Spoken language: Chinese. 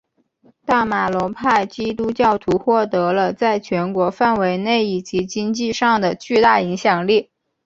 但马龙派基督教徒获得了在全国范围内以及经济上的巨大影响力。